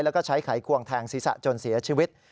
แล้วก็ใช้ไขควงแทงศีรษะจนเสียชีวิต